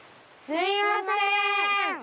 すいません！